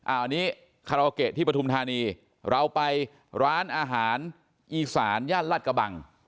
อันนี้คาราโอเกะที่ปฐุมธานีเราไปร้านอาหารอีสานย่านลาดกระบัง